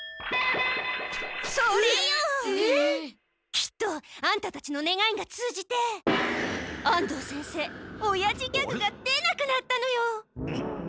きっとアンタたちのねがいが通じて安藤先生オヤジギャグが出なくなったのよ！